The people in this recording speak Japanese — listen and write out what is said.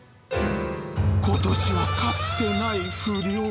ことしはかつてない不漁。